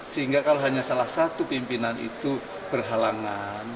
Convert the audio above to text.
sehingga kalau hanya salah satu pimpinan itu berhalangan